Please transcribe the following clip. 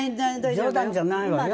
冗談じゃないわよ。